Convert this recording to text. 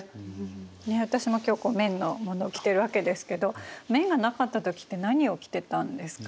ねえ私も今日綿のものを着ているわけですけど綿がなかった時って何を着てたんですか？